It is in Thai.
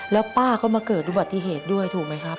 แล้วป้าก็มาเกิดอุบัติเหตุด้วยถูกไหมครับ